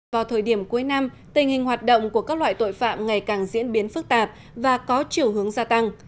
vào thời điểm cuối năm tình hình hoạt động của các loại tội phạm ngày càng diễn biến phức tạp và có chiều hướng gia tăng